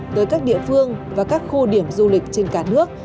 tới các địa phương và các khu điểm du lịch trên cả nước